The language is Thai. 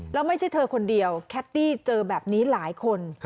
แล้วไม่ใช่เธอคนเดียวแคตตี้เจอแบบนี้หลายคน